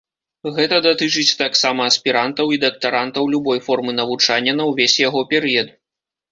Гэта датычыць таксама аспірантаў і дактарантаў любой формы навучання на ўвесь яго перыяд.